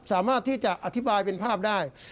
สามารถที่จะอธิบายเป็นภาพได้